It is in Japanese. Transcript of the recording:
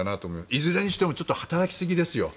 いずれにしてもちょっと働きすぎですよ。